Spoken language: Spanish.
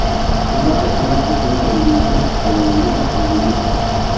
Una persona que tiene erudición se denomina erudita.